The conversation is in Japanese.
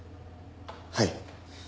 はい。